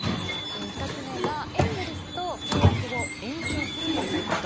２つ目がエンゼルスと契約を延長するということ。